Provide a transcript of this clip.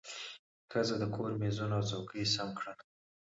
ښځه د کور مېزونه او څوکۍ سم کړل